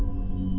aku mau lihat